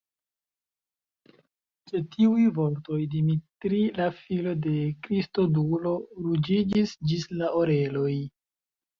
Ĉe tiuj vortoj, Dimitri, la filo de Kristodulo, ruĝiĝis ĝis la oreloj.